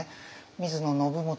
水野信元